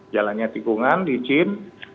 jalannya tikungan di cin